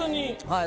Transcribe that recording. はい。